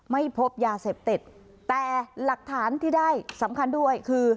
ไม่พบยาเสพติดแต่หลักฐานที่ได้สำคัญด้วยคือ